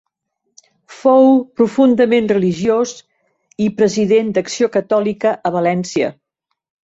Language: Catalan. Fou profundament religiós i president d'Acció Catòlica a València.